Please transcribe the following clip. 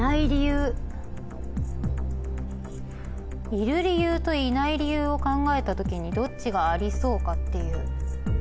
いる理由といない理由を考えた時にどっちがありそうかっていう。